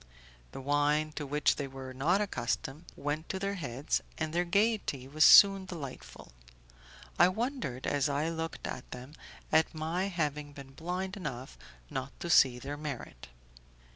The wine, to which they were not accustomed, went to their heads, and their gaiety was soon delightful. I wondered, as I looked at them, at my having been blind enough not to see their merit.